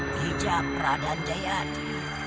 ki japra dan jayadi